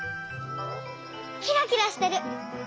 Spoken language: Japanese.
キラキラしてる。